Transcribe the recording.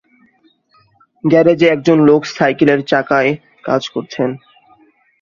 গ্যারেজে একজন লোক সাইকেলের চাকায় কাজ করছেন